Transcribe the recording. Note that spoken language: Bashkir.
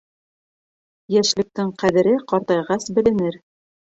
Йәшлектең ҡәҙере ҡартайғас беленер.